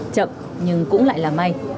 chậm nhưng cũng lại là may